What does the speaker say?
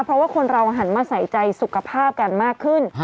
เพราะว่าคนเราหันมาใส่ใจสุขภาพกันมากขึ้น